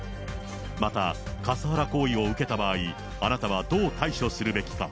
またカスハラ行為を受けた場合、あなたはどう対処するべきか。